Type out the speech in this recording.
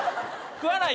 食わないよ